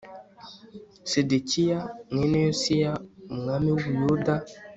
sedekiya mwene yosiya umwami w u buyuda